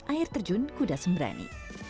air terjun kuda sembrani